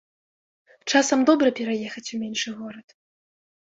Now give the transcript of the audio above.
Часам добра пераехаць у меншы горад.